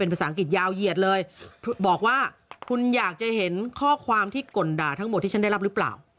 ภาษาอังกฤษยาวเหยียดเลยบอกว่าคุณอยากจะเห็นข้อความที่ก่นด่าทั้งหมดที่ฉันได้รับหรือเปล่า